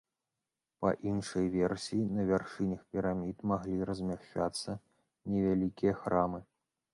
Па іншай версіі, на вяршынях пірамід маглі размяшчацца невялікія храмы.